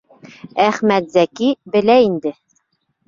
— Әхмәтзәки белә инде.